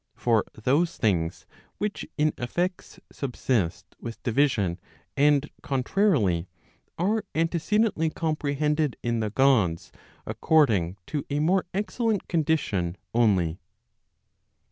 For those things which in effects subsist with division and contrarily, are antecedently comprehended in the Gods according to a more excellent condition only.